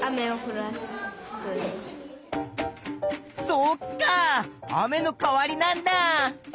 そっか雨の代わりなんだ！